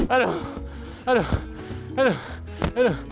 aduh aduh aduh aduh